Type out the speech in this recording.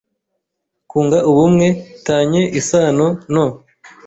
“kunga ubumwe” tanye isano no